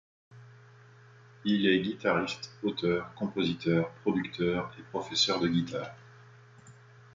Il est guitariste, auteur, compositeur, producteur et professeur de guitare.